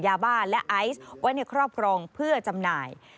ยาบ้าและไอซ์ไว้ในครอบครองเพื่อจำหน่าย